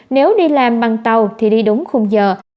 nếu đi làm bằng tàu thì đi đúng khung giờ